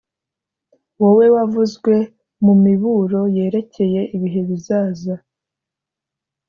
wowe wavuzwe mu miburo yerekeye ibihe bizaza,